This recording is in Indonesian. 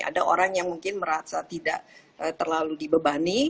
ada orang yang mungkin merasa tidak terlalu dibebani